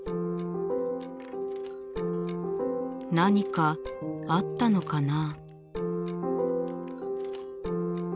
何かあったのかな？